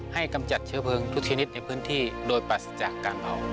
กำจัดเชื้อเพลิงทุกชนิดในพื้นที่โดยปรัสจากการเผา